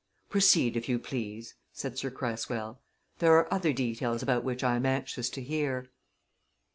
"Proceed, if you please," said Sir Cresswell. "There are other details about which I am anxious to hear."